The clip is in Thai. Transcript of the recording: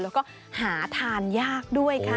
แล้วก็หาทานยากด้วยค่ะ